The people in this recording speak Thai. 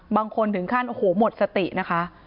บางคนถึงขั้นโอ้โหหมดสตินะคะ